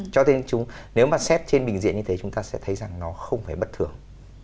cho nên nếu mà xét trên bình diện như thế chúng ta sẽ thấy rằng nó không phải bất thường